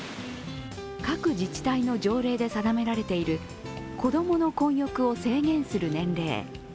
各自治体の条例で定められている子供の混浴を制限する年齢。